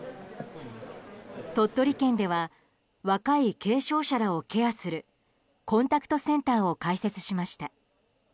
鳥取県では若い軽症者らをケアするコンタクトセンターを開設しました。